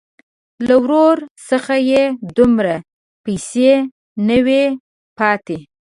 له ورور څخه یې دومره پیسې نه وې پاتې.